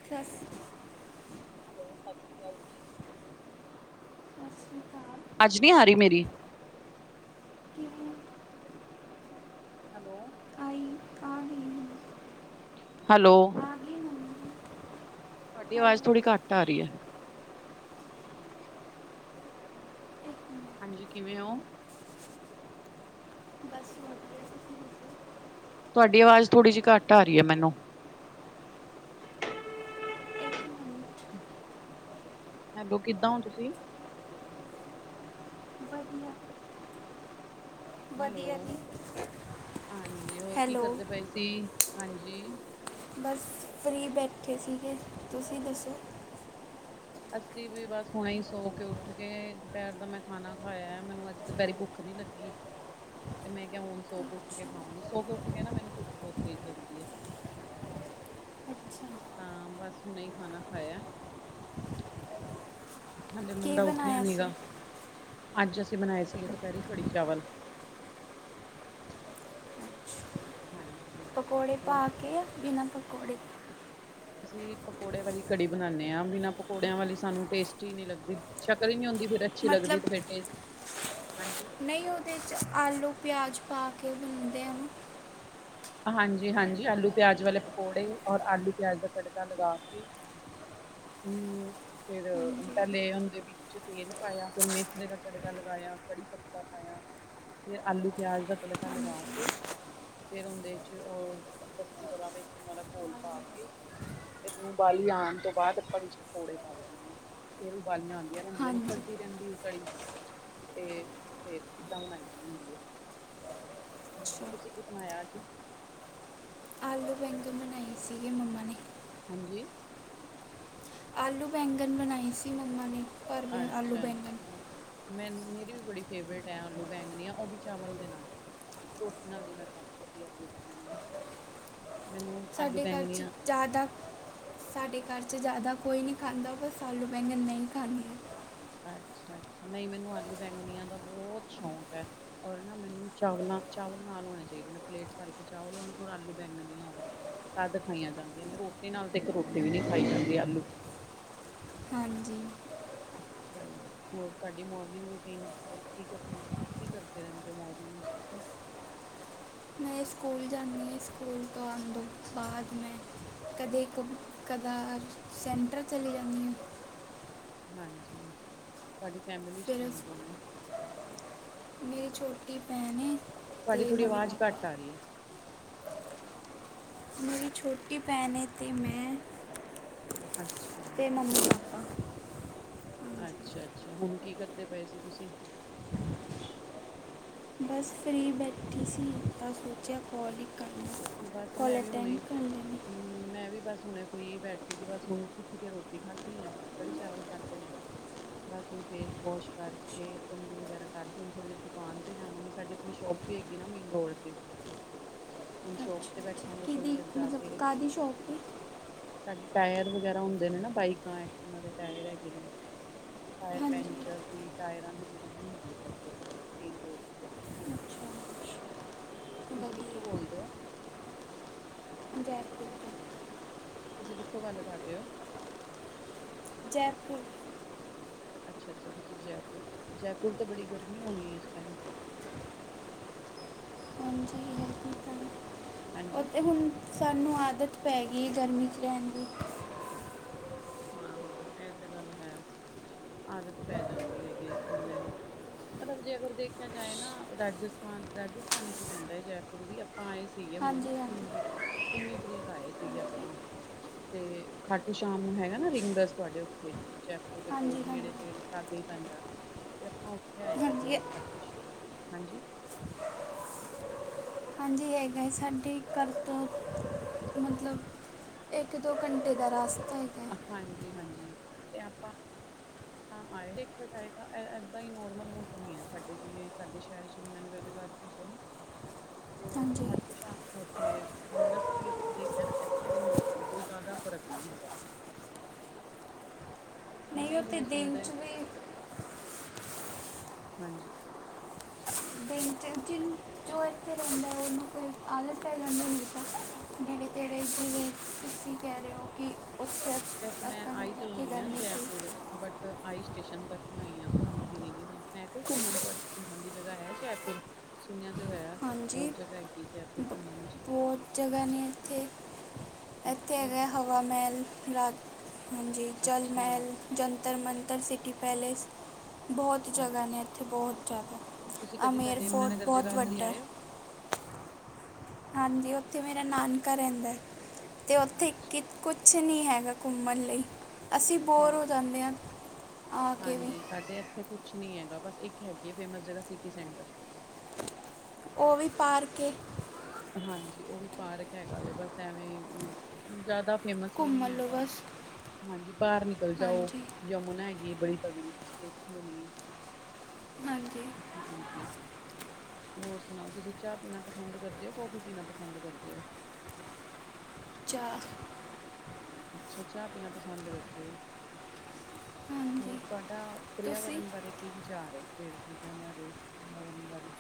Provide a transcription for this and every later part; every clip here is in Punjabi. [inaudible] ਹੈਲੋ ਸਤਿ ਸ਼੍ਰੀ ਕਾਲ ਜੀ। ਸ਼੍ਰੀ ਅਕਾਲ ਵਾਜ ਨੀ ਆ ਰੀ ਮੇਰੀ? ਕਿਵੇਂ ਹੈਲੋ ਆਈ, ਆ ਰੀ ਹੈਲੋ। ਮੰਮੀ ਤੋਡੀ ਵਾਜ਼ ਹੈਲੋ ਥੋੜੀ ਆ ਰੀ ਐ। ਹੈਲੋ ਇੱਕ ਮਿੰਟ ਹਾਂਜੀ ਕਿਵੇਂ ਓ? [inaudible] ਦੱਸੋ ਤੁਹਾਡੀ ਵਾਜ਼ ਥੋੜੀ ਜੀ ਘੱਟ ਆ ਰੀ ਐ ਮੈਨੂੰ। [inaudible] [unintelligible] ਕਿੱਦਾਂ ਓ ਤੁਸੀਂ? ਵਧੀਆ। ਹੈਲੋ, ਵਧੀਆ ਜੀ ਹਾਂਜੀ ਹੋਰ ਕੀ ਹੈਲੋ ਕਰਦੇ ਪਏ ਸੀ, ਹਾਂਜੀ ਬਸ ਫਰੀ ਬੈਠੇ ਸੀਗੇ, ਤੁਸੀਂ ਦੱਸੋ? ਅਸੀ ਵੀ ਬਸ ਹੁਣੇ ਈ ਸੋ ਕੇ ਉੱਠ ਕੇ, ਦੁਪਹਿਰ ਦਾ ਮੈਂ ਖਾਣਾ ਖਾਇਆ, ਮੈਨੂੰ ਅੱਜ ਦੁਪਹਿਰੇ ਭੁੱਖ ਨੀ ਲੱਗੀ। ਤੇ ਮੈਂ ਕਿਹਾ ਹੁਣ ਸੋ ਕੇ ਉੱਠ ਅੱਛਾ ਕੇ ਖਾਵਾਂਗੀ ਸੋ ਕੇ ਉੱਠ ਕੇ ਨਾ ਮੈਨੂੰ ਭੁੱਖ ਬਹੁਤ ਤੇਜ਼ ਲੱਗਦੀ ਏ। [inaudible] ਅੱਛਾ ਹਾਂ ਬਸ ਹੁਣੇ ਈ ਖਾਣਾ ਖਾਇਆ। ਹਾਲੇ ਕੀ ਮੁੰਡਾ ਉੱਠਿਆ ਬਣਾਇਆ ਨੀ ਸੀ ਗਾ, ਅੱਜ ਅਸੀਂ ਬਣਾਏ ਸੀਗੇ ਦੁਪਹਿਰੇ ਕੜੀ-ਚਾਵਲ। ਹਾਂਜੀ। ਪਕੌੜੇ ਹੋਰ ਪਾ ਕੇ ਬਿਨਾਂ ਪਕੌੜੇ ਅਸੀਂ ਪਕੌੜੇ ਵਾਲੀ ਕੜੀ ਬਣਾਦੇ ਆਂ, ਬਿਨਾਂ ਪਕੌੜਿਆਂ ਵਾਲੀ ਸਾਨੂੰ ਟੇਸਟੀ ਹੀ ਨੀ ਲੱਗਦੀ ਸ਼ਕਲ ਈ ਨੀ ਹੁੰਦੀ ਫਿਰ ਅੱਛੀ ਲੱਗਦੀ ਤੇ ਮਤਲਬ ਫਿਰ ਟੇਸਟ ਹਾਂਜੀ ਨਹੀਂ ਉਹਦੇ 'ਚ ਆਲੂ ਪਿਆਜ਼ ਪਾ ਕੇ ਬਣਦੇ ਆ ਨਾ ਹਾਂਜੀ ਹਾਂਜੀ ਆਲੂ ਪਿਆਜ ਵਾਲੇ ਪਕੌੜੇ ਔਰ ਆਲੂ ਪਿਆਜ ਦਾ ਤੜਕਾ ਲਗਾ ਕੇ ਹੂ ਫਿਰ ਪਹਿਲੇ ਹੁੰਦੇ ਵੀ ਵਿੱਚ ਤੇਲ ਪਾਇਆ ਫਿਰ ਮੇਥਰੇ ਦਾ ਤੜਕਾ ਲਗਾਇਆ ਕੜੀ ਪੱਤਾ ਪਾਇਆ ਫੇਰ ਆਲੂ ਪਿਆਜ ਦਾ ਤੜਕਾ ਹਾਂਜੀ ਲਗਾ ਕੇ ਫੇਰ ਉਨੂੰ ਦੇ ਚ ਉਹ ਲੱਸੀ ਵਾਲਾ ਵੇਸਣ ਵਾਲਾ ਘੋਲ ਪਾ ਕੇ ਫਿਰ ਉਹਨੂੰ ਉਬਾਲੀ ਆਣ ਤੋਂ ਬਾਅਦ ਆਪਾਂ ਵਿੱਚ ਪਕੌੜੇ ਪਾ ਦੇਣੇ ਆ ਫੇਰ ਉਬਾਲੀਆਂ ਵ ਹਾਂਜੀ ਰਹਿੰਦੀਆਂ ਨੇ ਹਾਂਜੀ ਘੜਦੀ ਰਹਿੰਦੀ ਕੜੀ ਤੇ ਫੇਰ ਏਦਾਂ ਬਣਾਈ ਦੀ ਹੁੰਦੀ ਏ ਹਾਂਜੀ ਤੁਸੀਂ ਕੀ ਬਣਾਇਆ ਅੱਜ? ਆਲੂ ਬੈਂਨਣ ਬਣਾਏ ਸੀਗੇ ਮੰਮਾ ਨੇ। ਹਾਂਜੀ। ਆਲੂ ਬੈਗਣ ਬਣਾਈ ਸੀ ਮੰਮਾ ਨੇ ਭਰਵੇ ਆਲੂ ਬੈਗਣ। ਮੈਨੂੰ ਮੇਰੀ ਵੀ ਬੜੀ ਫੇਵਰੇਟ ਹੈ ਆਲੂ ਬੈਂਗਣੀਆ ਉਹ ਵੀ ਚਾਵਲ ਦੇ ਨਾਲ। ਰੋਟੀ ਨਾਲ ਨੀ ਮੈਂ ਖਾ ਸਕਦੀ ਆਲੂ ਬੈਂਗਣ ਆ। ਸਾਡੇ ਘਰ 'ਚ ਜ਼ਿਆਦਾ ਸਾਡੇ ਘਰ 'ਚ ਜ਼ਿਆਦਾ ਕੋਈ ਨਹੀਂ ਖਾਂਦਾ ਬਸ ਆਲੂ ਬੈਂਗਣ ਮੈਂ ਹੀ ਖਾਣੀ ਆ। ਅੱਛਾ ਅੱਛਾ, ਨਹੀਂ ਮੈਨੂੰ ਆਲੂ ਬੈਂਗਨੀਆਂ ਦਾ ਬਹੁਤ ਸ਼ੌਂਕ ਐ‌। ਔਰ ਨਾ ਮੈਨੂੰ ਚਾਵਲਾਂ ਚਾਵਲ ਨਾਲ ਹੋਣੇ ਚਾਹੀਦੇ ਨੇ, ਪਲੇਟ ਭਰ ਕੇ ਚਾਵਲ ਹੋਣ ਔਰ ਆਲੂ ਬੈਂਗਣੀਆ ਹੋਣ। ਤੱਦ ਖਾਈਆਂ ਜਾਂਦੀਆਂ ਨੇ ਰੋਟੀ ਨਾਲ ਤੇ ਇੱਕ ਰੋਟੀ ਵੀ ਨੀ ਖਾਈ ਜਾਂਦੀ ਆਲੂ ਬੈਂਗਣ ਨਾਲ। ਹਾਂਜੀ। ਹਾਂਜੀ [inaudible] ਹੋਰ ਤੁਹਾਡੀ ਮੋਰਨਿੰਗ ਰੂਟੀਨ ਕੀ ਐ ਕੀ ਕਰਨਾ ਬਸ ਕੀ ਕਰਦੇ ਰਹਿੰਦੇ ਹੋ ਮੋਰਨਿੰਗ ਤੁਸੀਂ। ਮੈਂ ਸਕੂਲ ਜਾਂਨੀ ਆਂ, ਸਕੂਲ ਤੋਂ ਆਉਣ ਤੋ ਬਾਦ ਮੈਂ, ਕਦੇ ਕ ਕਦਾ ਸੈਂਟਰ ਚਲੀ ਜਾਂਦੀ ਆ। ਹਾਂਜੀ ਤੁਹਾਡੀ ਫੈਮਲੀ ਚ ਫਿਰ ਕੌਣ ਉਸ- ਕੌਣ ਐ। ਮੇਰੀ ਛੋਟੀ ਭੈਣ ਐ। ਤੁਹਾਡੀ ਥੋੜ੍ਹੀ ਆਵਾਜ਼ ਘੱਟ ਆ ਰਹੀ ਹੈ। ਮੇਰੀ ਛੋਟੀ ਛੋਟੀ ਭੈਣ ਐ ਤੇ ਮੈਂ, ਅੱਛਾ। ਤੇ ਮੰਮੀ ਪਾਪਾ। ਅੱਛਾ ਹਾਂਜੀ ਅੱਛਾ ਹੁਣ ਕੀ ਕਰਦੇ ਪਏ ਸੀ ਤੁਸੀਂ, ਬਸ ਫ੍ਰੀ ਬੈਠੀ ਸੀ ਤਾਂ ਸੋਚਿਆ ਕੋਲ। ਕੋਲ ਅਟੈਂਡ ਕਰ ਲੈਂਣੀ। ਹਮ ਮੈਂ ਵੀ ਬਸ ਹੁਣੇ ਫ੍ਰੀ ਬੈਠੀ ਸੀ ਬਸ ਹੁਣ ਉੱਠ ਕੇ ਰੋਟੀ ਖਾਧੀ ਆ। ਕੜੀ ਚਾਵਲ ਖਾਂਦੇ ਨੇ, ਬਸ ਹੁਣ ਫੇਸ ਵੋਸ਼ ਕਰਕੇ ਕੰਘੀ ਵਗੈਰਾ ਕਰਕੇ ਹੁਣ ਥੋੜੀ ਦੇਰ ਦੁਕਾਨ ਤੇ ਜਾਵਾਂਗੀ, ਸਾਡੇ ਆਪਣੀ ਸ਼ੋਪ ਵੀ ਹੈਗੀ ਨਾ ਮੇਰੀ ਗੋਲ੍ਡ ਦੀ ਹੁਣ ਸ਼ੋਕ ਅੱਛਾ ਤੇ ਅੱਛਾ ਬੈਠਾਂਗੇ ਥੋੜ੍ਹੀ ਕਿਹਦੀ ਦੇਰ ਜਾ ਮਤਲਬ ਕੇ। ਕਾਹਦੀ ਸ਼ੌਪ 'ਤੇ ਸਾਡੇ ਟਾਇਰ ਵਗੈਰਾ ਹੁੰਦੇ ਨੇ ਨਾ ਬਾਈਕਾਂ ਐਕਟੀਵਾ ਦੇ ਟਾਇਰ ਹੈਗੇ ਨੇ, ਟਾਇਰ ਹਾਂਜੀ ਪੈਂਚਰ ਦੀ ਟਾਇਰਾਂ ਦੀ ਦੁਕਾਨ ਹੈਗੀ ਹੈ ਸਾਡੀ ਆਪਣੀ ਮੇਨ ਰੋਡ ਤੇ, ਅੱਛਾ ਤੁਸੀਂ ਕਿੱਥੋਂ ਵਧੀਆ ਬੋਲਦੇ ਹੋ। ਜੈਪੁਰ। ਤੋਂ ਤੁਸੀਂ ਕਿੱਥੋਂ ਗੱਲ ਕਰ ਰਹੇ ਓ। ਜੈਪੁਰ। ਅੱਛਾ- ਅੱਛਾ ਤੁਸੀਂ ਜੈਪੁਰ, ਜੈਪੁਰ ਤੇ ਬੜੀ ਗਰਮੀ ਹੋਣੀ ਏ, ਇਸ ਟੈਮ। ਉਹ ਹਾਂਜੀ ਤੇ ਹੁਣ, ਸਾਨੂੰ ਆਦਤ ਪੈ ਗਈ, ਗਰਮੀ 'ਚ ਰਹਿਣ ਦੀ। ਹਾਂ -ਹਾਂ, ਐਹ ਤੇ ਗੱਲ ਹੈ। ਆਦਤ ਪੈ ਜਾਂਦੀ ਹੈਗੀ ਏ ਬੰਦੇ ਨੂੰ। ਮਤਲਬ ਜੇ ਅਗਰ ਦੇਖਿਆ ਜਾਏ ਨਾ ਰਾਜਸਥਾਨ, ਰਾਜਸਥਾਨੀ 'ਚ ਹੀ ਪੈਂਦਾ ਏ ਜੈਪੁਰ। ਹੁਣ ਵੀ ਆਪਾਂ ਆਏ ਸੀਗੇ ਹੁਣ, ਹਾਂਜੀ ਹਾਂਜੀ ਉੱਨੀ, ਉੱਨੀ ਤਰੀਕ ਆਏ ਸੀਗੇ ਆਪਾਂ। ਤੇ ਖਾਟੂ ਸ਼ਾਮ ਹੈਗਾ ਨਾ ਰਿੰਗਡਸ ਤੁਹਾਡੇ ਉੱਥੇ, ਜੈਪੁਰ ਦੇ ਕੋਲ, ਹਾਂਜੀ ਹਾਂਜੀ ਨੇੜੇ ਤੇੜੇ ਲਾਗੇ ਹੀ ਪੈਂਦਾ। ਤੇ ਆਪਾਂ ਉੱਥੇ ਆਏ ਹਾਂਜੀ ਸੀਗੇ ਖਾਟੂ ਸ਼ਾਮ, ਹਾਂਜੀ। ਹਾਂਜੀ। ਜੀ ਹੈਗਾ ਏ, ਸਾਡੇ ਘਰ ਤੋਂ, ਮਤਲਬ। ਇੱਕ- ਦੋ ਘੰਟੇ ਦਾ ਰਾਸਤਾ ਐ। ਹਾਂਜੀ -ਹਾਂਜੀ, ਤੇ ਆਪਾਂ। ਹਾਂ ਆਏ ਦੇਖਿਆ ਜਾਏਗਾ। ਐਦਾਂ ਹੀ ਨੋਰਮਲ ਮੌਸਮ ਹੀ ਹੈ ਸਾਡੇ, ਜਿਵੇਂ ਸਾਡੇ ਸ਼ਹਿਰ ਯਮਨਾ ਨਗਰ ਜਗਾਦਰੀ 'ਚ ਨਾ। [inaudible] ਤੇ ਹਾਂਜੀ ਖਾਟੂ ਸ਼ਾਮ। ਉਥੇ ਪਿੰਕਸ ਵੀ ਆਪਾਂ ਦੇਖਿਆ ਨਾ, ਐਦਾਂ ਦਾ ਮੌਸਮ ਕੋਈ ਜ਼ਿਆਦਾ ਫ਼ਰਕ ਨੀ ਹੈਗਾ। ਇਹ ਨਹੀਂ ਉਥੇ ਜਿਵੇਂ ਦਿਨ ਸੁਣਦੇ 'ਚ ਵੀ। ਹਾਂਜੀ। ਦਿਨ, ਚਿਲ- ਚਿਲ ਜੋ ਐਥੇ ਰਹਿੰਦਾ ਏ, ਉਹ ਨੂੰ ਕੋਈ ਆਲਸ। ਰਹਿ ਜਾਣ ਨੀ ਦਿੱਤਾ, ਨੇੜੇ- ਤੇੜੇ ਜਿਵੇਂ ਤੁਸੀ ਕਹਿ ਰਹੇ ਹੋ ਕਿ ਉਥੇ ਵੈਸੇ ਮੈਂ ਆਈ ਤੋਂ ਹੋਈ ਆਂ ਜੈਪੁਰ, ਬਟ ਆਈ ਸਟੇਸ਼ਨ ਤੱਕ ਹੀ ਹੋਈ ਹਾਂ, ਘੁੰਮੀ ਫਿਰੀ ਨੀ ਮੈਂ। ਹੈ ਕੋਈ ਘੁੰਮਣ ਵਾਲੀ, ਘੁੰਮਣ ਦੀ ਜਗ੍ਹਾ ਹੈ ਜੈਪੁਰ। ਸੁਣਿਆ ਤੇ ਹੋਇਆ। ਹਾਂਜੀ ਬਹੁਤ ਜਗ੍ਹਾ ਹੈਗੀ, ਜੈਪੁਰ ਬ- ਘੁੰਮਣ ਵਿੱਚ ਬਹੁਤ ਜਗ੍ਹਾ ਨੇ ਇੱਥੇ। ਇੱਥੇ ਅੱਛਾ ਹੈਗਾ ਜੀ ਹਵਾ ਮਹਿਲ, ਰਾਤ ਹਾਂਜੀ। ਜਲ- ਅੱਛਾ ਮਹਿਲ, ਜੰਤਰ -ਮੰੰਤਰ, ਸਿਟੀ ਪੈਲੇਸ। ਬਹੁਤ ਜਗ੍ਹਾ ਨੇ ਇੱਥੇ, ਬਹੁਤ ਤੁਸੀਂ ਜ਼ਿਆਦਾ। ਕਦੀ ਅਮੇਰ ਸਾਡੇ ਫੋਰਟ ਯਮੁਨਾਨਗਰ ਬੋਤ ਜਗਾਧਰੀ ਹੀ ਵੱਡਾ। ਆਏ ਹਾਂਜੀ, ਉੱਥੇ ਮੇਰਾ ਨਾਨਕਾ ਰਹਿੰਦਾ ਤੇ ਹੋ ਉੱਥੇ ਅੱਛਾ ਇੱਕ ਕੁਛ ਨੀ ਹੈਗਾ ਘੁੰਮਣ ਲਈ। ਅਸੀਂ ਬੋਰ ਹਾਂ ਹੋ ਜਾਂਦੇ ਆਂ, ਆ ਕੇ ਵੀ। ਤੇ ਐਥੇ ਕੁਛ ਨੀ ਹੈਗਾ, ਬਸ ਇੱਕ ਹੈਗੀ ਆ ਫੇਮਸ ਜਗ੍ਹਾ ਸਿਟੀ ਸੈਂਟਰ। ਉਹ ਵੀ ਪਾਰਕ ਏ। ਹਾਂਜੀ, ਉਹ ਵੀ ਪਾਰਕ ਹੈਗਾ ਵੇ, ਬਸ ਐਵੇਂ। ਜ਼ਾਦਾ ਫੇਮਸ ਵੀ ਘੁੰਮ ਨੀ ਲਓ ਹੈਗਾ। ਬਸ ਹਾਂਜੀ, ਬਾਹਰ ਨਿਕਲ ਜਾਓ। ਹਾਂਜੀ ਯਮੁਨਾ ਹੈਗੀ ਬੜੀ ਤਗੜੀ, ਤੁਸੀਂ ਦੇਖੀ ਹੋਣੀ। ਹਾਂਜੀ। ਹਾਂਜੀ। ਹੋਰ ਸੁਣਾਓ, ਤੁਸੀਂ ਚਾਹ ਪੀਣਾ ਪਸੰਦ ਕਰਦੇ, ਕੌਫੀ ਪੀਣਾ ਪਸੰਦ ਕਰਦੇ ਓ। ਚਾਹ। ਅੱਛਾ ਚਾਹ ਪੀਣਾ ਪਸੰਦ ਕਰਦੇ ਓ ਹੋਰ ਹਾਂਜੀ ਤਾਡਾ ਤੁਸੀਂ ਪਰਿਆਵਰਨ ਬਾਰੇ। ਕੀ ਵਿਚਾਰ ਏ, ਪੇੜ- ਪੌਦਿਆਂ ਬਾਰੇ, ਪਰਾਵਰਨ ਬਾਰੇ।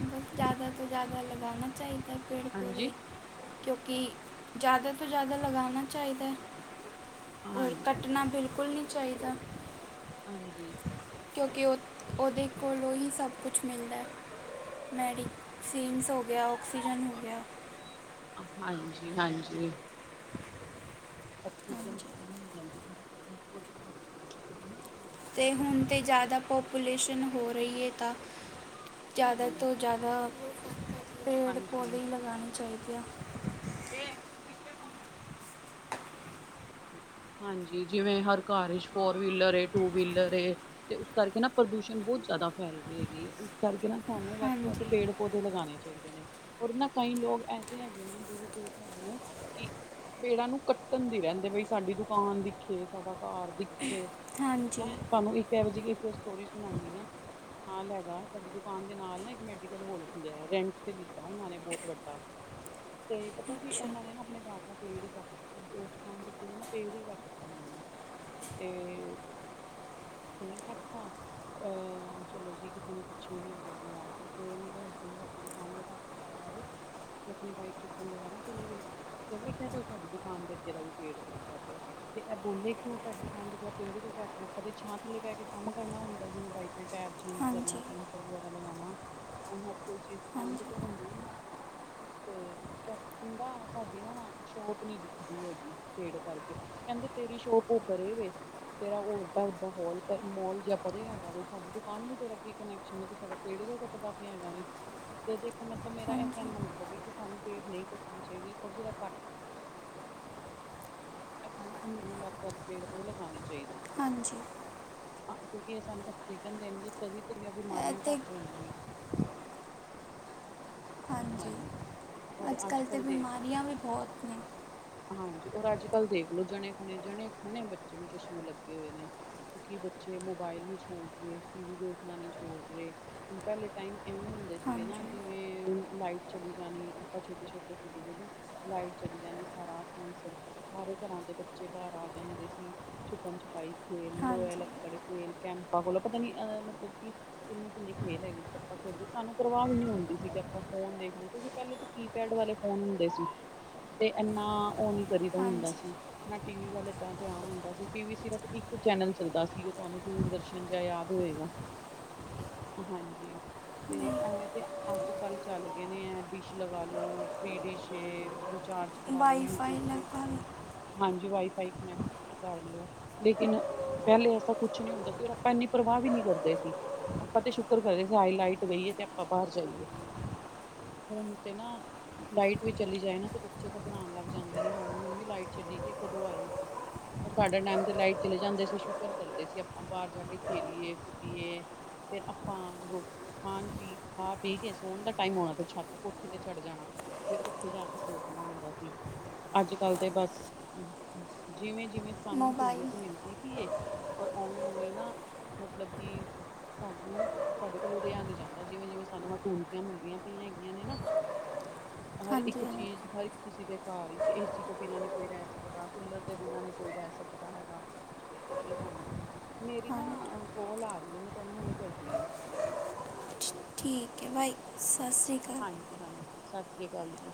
ਬਸ ਜ਼ਿਆਦਾ ਤੋਂ ਜ਼ਿਆਦਾ ਲਗਾਨਾ ਚਾਹੀਦਾ ਪੇੜ ਪੌਦੇ। ਹਾਂਜੀ ਕਿਉਂਕਿ, ਜ਼ਿਆਦਾ ਤੋਂ ਜ਼ਿਆਦਾ ਲਗਾਣਾ ਚਾਹੀਦਾ। ਹੋਰ ਹਾਂਜੀ ਕੱਟਣਾ ਬਿਲਕੁਲ ਨੀ ਚਾਹੀਦਾ। ਹਾਂਜੀ। ਕਿਉਂਕਿ ਉਹ, ਉਹਦੇ ਕੋਲੋਂ ਹੀ ਸਭ ਕੁਛ ਮਿਲਦਾ। ਮੈਡੀ, ਸੀਨਸ ਹੋ ਗਿਆ‌ ਔਕਸੀਜਨ ਹੋ ਗਿਆ। ਹਾਂਜੀ-ਹਾਂਜੀ। ਆਕਸੀਜਨ ਦੀ ਹਾਂਜੀ ਕਮੀ ਹੋ ਜਾਂਦੀ ਆਪਾਂ ਪੇੜ ਪੌਦੇ ਵਗੈਰਾ ਕੱਢ ਲੈਂਦੇ ਨਾ ਜਿਵੇਂ ਅੱਜ ਤੇ ਕੱਲ੍ਹ ਹੁਣ ਤਾਂ ਪ੍ਰਦੂਸ਼ਣ ਜ਼ਿਆਦਾ ਪਾਪੂਲੇਸ਼ਨ ਹੋ ਰਹੀ ਹੈ ਤਾਂ। ਜ਼ਿਆਦਾ ਹਾਂਜੀ, ਤੋਂ ਜ਼ਿਆਦਾ, ਪੇੜ ਪੌਦੇੇ ਹੀ ਲਗਾਉਣੇ ਚਾਹੀਦੇ ਆ। ਇਹ ਕਿਤੇ ਕੰਮ ਹਾਂਜੀ, ਜਿਵੇਂ ਹਰ ਘਰ ਵਿਚ ਫੋਰ ਵੀਲਰ ਏ, ਟੂ ਵੀਲਰ ਏ। ਤੇ ਉਸ ਕਰਕੇ ਨਾ ਪ੍ਰਦੂਸ਼ਣ ਬਹੁਤ ਜ਼ਿਆਦਾ ਫੈਲ ਰਹੀ ਹੈਗੀ ਉਸ ਕਰਕੇ ਨਾ ਸਾਨੂੰ ਵੱਧ ਤੋਂ ਵੱਧ ਹਾਂਜੀ ਪੇੜ ਪੌਦੇ ਲਗਾਣੇ ਚਾ ਚਾਹੀਦੇ ਨੇ ਔਰ ਨਾ ਕਈ ਲੋਕ ਐਸੇ ਹੈਗੇ ਨੇ ਬੇਵਕੂਫ ਹੈਗੇ ਨੇ ਕਿ ਪੇੜਾਂ ਨੂੰ ਕੱਟਣ ਦੀ ਰਹਿੰਦੀ। ਤੇ ਬਈ ਸਾਡੀ ਦੁਕਾਨ ਦਿਖੇ, ਸਾਡਾ ਘਰ ਦਿਖੇ, ਹਾਂਜੀ ਹੈਂ ਤੁਹਾਨੂੰ ਇੱਕ ਕੇ ਵੱਜ ਗਏ ਫਿਰ ਸਟੋਰੀ ਸੁਣਾਉਂਣੀ ਆ। ਨਾਲ ਹੈਗਾ ਸਾਡੀ ਦੁਕਾਨ ਦੇ ਨਾਲ ਨਾ ਇੱਕ ਮੈਡੀਕਲ ਹੋਲ ਖੁੱਲਿਆ ਰੈਂਟ ਤੇ ਲਿੱਤਾ ਉਹਨਾਂ ਨੇ ਬਹੁਤ ਵੱਡਾ। ਤੇ ਪਤਾ ਕੀ ਅੱਛਾ ਉਹਨਾਂ ਨੇ ਨਾ ਆਪਣੇ ਘਰ ਦਾ ਪੇੜ ਹੀ ਕੱਟ ਦਿੱਤਾ। ਹਾਂਜੀ ਬੀ ਦਾ ਨਾ ਪੇੜ ਹੀ ਕੱਟਤਾ ਉਹਨਾਂ ਨੇ, ਤੇ ਫੇਰ ਕੱਟਤਾ। ਅ ਚਲੋ ਜੀ ਕਿਸੇ ਨੇ ਕੁਛ ਵੀ ਨਹੀਂ ਬੋਲਿਆ, ਤੇ ਇਹ ਮੇਰੇ ਹਸਬੈਂਡ ਆਪਣੀ ਦੁਕਾਨ ਮ ਘਰ ਆਏ, ਤੇ ਆਪਣੀ ਚੁੱਕਣ ਦੁਬਾਰਾ ਚਲੇ ਗਏ ਤੇ ਵੇਖਿਆ ਤੇ ਉਹ ਸਾਡੀ ਦੁਕਾਨ ਦੇ ਅੱਗੇ ਦਾ ਵੀ ਪੇੜ ਕੱਟਦਾ ਪਿਆ, ਤੇ ਐ ਬੋਲੇ ਇੱਕ ਤੂੰ ਸਾਡੀ ਵੀ ਖੰਦਗਾ ਪੇੜ ਕਿਉਂ ਕੱਟ ਰਿਹਾ ਆਪਾਂ ਤਾਂ ਛਾਂ ਥੱਲੇ ਬਹਿ ਕੇ ਕੰਮ ਕਰਨਾ ਹੁੰਦਾ ਜਿਵੇਂ ਬਾਈਕਾਂ, ਟਾਇਰ ਚੇਂਜ ਕਰਨਾ ਹਾਂਜੀ ਪੈਨਚਰ ਵਗੈਰਾ ਲਗਾਣਾ, ਹੁਣ ਹਰ ਕੋਈ ਚੀਜ਼ ਦੁਕਾਨ ਤੇ ਹਾਂਜੀ ਤਾਂ ਹੈਨੀ। ਨਹੀ ਹੈਗੀ, ਤੇ ਕੈਪਦਾ ਸਾਡੀ ਨਾ ਸ਼ੋਪ ਨੀ ਦਿਖਦੀ ਹੈਗੀ। ਪੇੜ ਕਰਕੇ, ਕਹਿੰਦੇ ਤੇਰੀ ਸ਼ੋਪ ਉਹ ਪਰੇ ਵੇ। ਤੇਰਾ ਉਹ ਵੱਡਾ-ਵੱਡਾ ਹੋਲ ਮੋਲ ਜਾਂ ਪਰੇ ਹੈਗਾ ਵੀ ਸਾਡੀ ਦੁਕਾਨ ਨੂੰ ਤੇਰਾ ਕੀ ਕਨੈਕਸ਼ਨ ਤੂੰ ਸਾਡਾ ਪੇੜ ਕਿਉਂ ਕੱਟਦਾ ਪਿਆ ਹੈਗਾ ਵੇ। ਇਹਦੇ ਮਤਲਬ ਮੇਰਾ ਇਹ ਹਾਂਜੀ ਕਹਿਣ ਮਤਲਬ ਹੈ ਕਿ ਸਾਨੂੰ ਪੇੜ ਨਹੀਂ ਕੱਟਣੀ ਚਾਹੀਦੇ ਔਰ ਜਿਹੜਾ ਕੱਟ ਹਨਾਂ ਉਹਨਾਂ ਨੂੰ ਵੱਧ ਤੋਂ ਵੱਧ ਪੇੜ ਭਏ ਲਗਾਣੇ ਚਾਹੀਦੇ। ਹਾਂਜੀ। ਹਾਂ ਕਿਉਂਕਿ ਇਹ ਸਾਨੂੰ ਆਕਸੀਜਨ ਦੇਣਗੇ ਤਦੀ ਤਾਂ ਇਹ ਬਿਮਾਰੀਆਂ ਤੇ ਘੱਟ ਹੋਣਗੀਆਂ। ਹਾਂਜੀ, ਔਰ ਅੱਜ ਅੱਜਕੱਲ੍ਹ ਤਾਂ ਕੱਲ੍ਹ ਦੇ ਬਿਮਾਰੀਆਂ ਵੀ ਬਹੁਤ ਨੇ। ਹਾਂਜੀ ਔਰ ਅੱਜਕੱਲ੍ਹ ਦੇਖ ਲੋ ਜਣੇ ਖਣੇ, ਜਣੇ ਖਣੇ ਬੱਚੇ ਨੂੰ ਚਸ਼ਮੇ ਲੱਗੇ ਹੋਏ ਨੇ। ਕਿਉਂਕਿ ਬੱਚੇ ਮੋਬਾਇਲ ਨੀ ਛੋੜ ਰਹੇ, ਟੀ ਵੀ ਦੇਖਣਾ ਨੀ ਛੋੜ ਰਹੇ। ਪਹਿਲੇ ਟਾਈਮ ਐਵੇਂ ਹੁੰਦੇ ਸੀਗੇ ਨਾ ਹਾਂਜੀ ਜਿਵੇਂ ਲਾਈਟ ਚਲੀ ਜਾਣੀ ਆਪਾਂ ਛੋਟੇ-ਛੋਟੇ ਸੀਗੇ ਜਦੋਂ ਲਾਈਟ ਚਲੀ ਜਾਣੀ ਸਾਰਾ ਪਿੰਡ ਸਾਰੇ ਘਰਾਂ ਦੇ ਬੱਚੇ ਬਾਹਰ ਆ ਜਾਂਦੇ ਸੀ। ਛੁਪਣ-ਛੁਪਾਈ ਖੇਲ ਲੋ ਐ ਹਾਂਜੀ ਲੱਕੜ ਖੇਲ ਕੈਂਪਾਂ ਕੋਲ ਪਤਾ ਨੀ ਏਦਾਂ ਮਤਲਬ ਕੀ ਕਿੰਨੇ-ਕਿੰਨੇ ਖੇਲ ਹੈਗੇ ਸੀ ਆਪਾਂ ਖੇਲਦੇ ਸਾਨੂੰ ਪਰਵਾਹ ਵੀ ਨੀ ਹੁੰਦੀ ਸੀ ਕਿ ਆਪਾਂ ਫੋਨ ਦੇਖਦੇ ਕਿਉਂਕਿ ਪਹਿਲੇ ਤਾਂ ਕੀ ਪੈਡ ਵਾਲੇ ਫੋਨ ਹੁੰਦੇ ਸੀ, ਤੇ ਇਨਾ ਉਹ ਨੀ ਕਰੀਦਾ ਹੁੰਦਾ ਹਾਂਜੀ ਸੀ, ਨਾ ਟੀ ਵੀ ਵੱਲ ਇੰਨਾਂ ਧਿਆਨ ਹੁੰਦਾ ਸੀ ਟੀ ਵੀ ਸਿਰਫ ਇੱਕ ਚੈਨਲ ਚੱਲਦਾ ਸੀ ਉਹ ਤੁਹਾਨੂੰ ਦੂਰਦਰਸ਼ਨ ਜਾਂ ਯਾਦ ਹੋਏਗਾ। [inaudible] ਹਾਂਜੀ। ਤੇ ਐਂ ਤੇ ਅੱਜ-ਕੱਲ ਚੱਲ ਗਏ ਨੇ ਐ ਡਿਸ਼ ਲਗਾ ਲੋ, ਫੀ ਡਿਸ਼ ਵਿਚਾਰਜ ਵਾਈਫਾਈ ਲੱਗਾ। ਹਾਂਜੀ ਵਾਈਫਾਈ ਕਾਨੈਕ, ਟ ਕਰ ਲੋ। ਲੇਕੀਨ, ਪੈਂਲੇ ਐਸਾ ਕੁਛ ਨੀ ਹੁੰਦਾ ਸੀ ਔਰ ਆਪਾਂ ਐਨੀ ਪਰਵਾ ਵੀ ਨੀ ਕਰਦੇ ਸੀ। ਆਪਾਂ ਤੇ ਸ਼ੁਕਰ ਕਰਏ ਹਾਏ ਲਾਈਟ ਗਈਏ ਤੇ ਆਪਾਂ ਬਾਰ ਜਾਈਏ। ਹੁਨ ਤੇ ਨਾ, ਲਾਈਟ ਵੀ ਚਲੀ ਜਾਏ ਨਾ ਤੇ ਬੱਚੇ ਕ ਰਾਣ ਜਾਂਦੇ ਨੇ ਹਾਏ ਮੰਮੀ ਚਲੀਗੀ ਕਦੋਂ ਆਏਗੀ। ਔਰ ਸਾਡੇ ਟਾਈਮ ਤੇ ਲਾਈਟ ਚਲੇ ਜਾਂਦੀ ਸੀ ਸ਼ੁਕਰ ਕਰਦੇ ਸੀ ਆਪਾਂ ਬਾਰ ਜਾ ਕੇ ਖੇਲੀਏ ਕੁਦੀਏ। ਫੇਰ ਆਪਾਂ ਰੋ ਖਾਣ ਪੀ, ਖਾ ਪੀ ਕੇ ਸੋਣ ਦਾ ਟਾਈਮ ਆਉਣਾ ਤੇ ਛੱਤ ਕੋਠੇ ਤੇ ਚੜ ਜਾਣਾ। ਫੇਰ ਉੱਥੇ ਜਾ ਕੇ ਸੋ ਜਾਣਾ ਹੁੰਦਾ ਰੀ, ਅੱਜ-ਕੱਲ ਤੇ ਬਸ, ਜਿਵੇਂ-ਜਿਵੇਂ ਸਾਨੂੰ ਮੋਬਾਈਲ ਸਹੂਲੀਅਤ ਮਿਲ ਦੀ ਪੀਏ, ਔਰ ਓਂਵੇਂ- ਓਂਵੇਂ ਈ ਨਾ ਮਤਲਬ ਕੀ ਸਾਨੂੰ, ਸਾਡੇ ਕੋਲੋਂ ਰੇਆ ਨੀ ਜਾਂਦਾ ਜਿਵੇਂ-ਜਿਵੇਂ ਸਾਨੂੰ ਅਸੂਲਤਾਂ ਮਿਲਦੀਆਂ ਪਈਆਂ ਹੈਗੀਆਂ ਨੇ ਨਾ [inaudible] ਹਰ ਇਕ ਚੀਜ਼ ਹਾਂਜੀ ਕਿਸੀ ਦੇ ਘਰ ਏਚ ਏਸੀ ਤੋਂ ਬਿਨਾਂ ਨੀ ਕੋਈ ਰੈ ਸਕਦਾ ਕੂਲਰ ਦੇ ਬਿਨਾਂ ਨੀ ਕੋਈ ਰੈ ਸਕਦਾ ਹੈਗਾ। ਓਕੇ ਹਾਂਜੀ, ਮੇਰੀ ਹਾਂਜੀ ਨਾ ਕੋਲ ਆ ਰਈ ਆ ਮੈਂ ਤਾਨੂੰ ਹੁਣੇ ਕਰਦੀ ਆਂ। [inaudible] ਠੀਕ ਏ ਬਾਈ ਸਸਰੀ ਕਾਲ। ਹਾਂਜੀ-ਹਾਂਜੀ, ਸਾਸਰੀ ਕਾਲ ਜੀ।